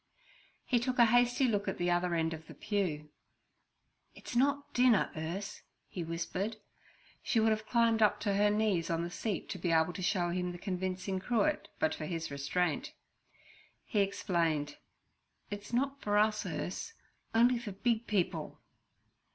He took a hasty look at the other end of the pew. 'It's not dinner, Urse' he whispered. She would have climbed to her knees on the seat to be able to show him the convincing cruet but for his restraint. He explained, 'It's not for us, Urse—on'y for big people.'